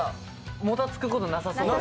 もたつくことなさそう。